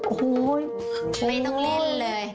โอ้โหไม่ต้องเล่นเลย